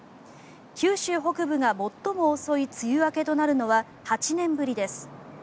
九州北部が最も遅い梅雨明けとなるのは８年ぶりです。